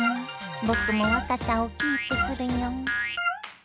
僕も若さをキープするよ。